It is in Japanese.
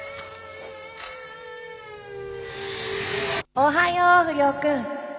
おはよう不良くん！